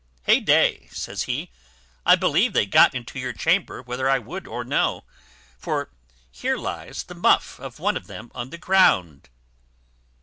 "Heyday!" says he, "I believe they got into your chamber whether I would or no; for here lies the muff of one of them on the ground."